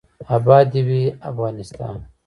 اباد دې وي افغانستان.